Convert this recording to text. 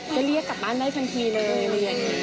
ก็เรียกกลับบ้านได้ทั้งทีเลย